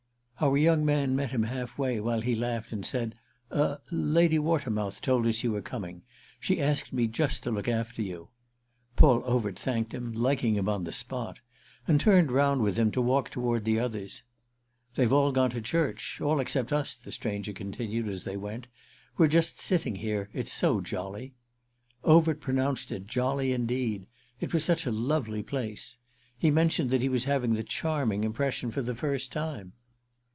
Our young man met him halfway while he laughed and said: "Er—Lady Watermouth told us you were coming; she asked me just to look after you." Paul Overt thanked him, liking him on the spot, and turned round with him to walk toward the others. "They've all gone to church—all except us," the stranger continued as they went; "we're just sitting here—it's so jolly." Overt pronounced it jolly indeed: it was such a lovely place. He mentioned that he was having the charming impression for the first time.